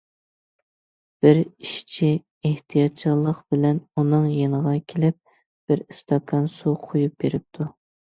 بىر ئىشچى ئېھتىياتچانلىق بىلەن ئۇنىڭ يېنىغا كېلىپ، بىر ئىستاكان سۇ قۇيۇپ بېرىپتۇ.